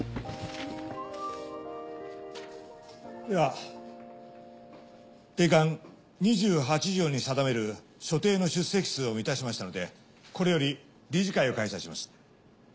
では定款２８条に定める所定の出席数を満たしましたのでこれより理事会を開催します。